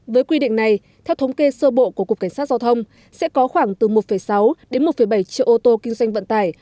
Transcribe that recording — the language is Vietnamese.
với quy định này theo thống kê sơ bộ của cục cảnh sát giao thông sẽ có khoảng từ một sáu đến một bảy triệu ô tô kinh doanh vận tải